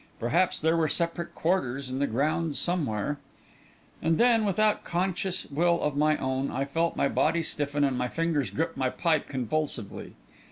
Perhaps there were separate quarters in the grounds somewhere And then, without conscious will of my own, I felt my body stiffen and my fingers grip my pipe convulsively.